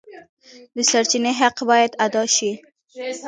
د سرچینې حق باید ادا شي.